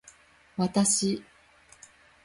わたし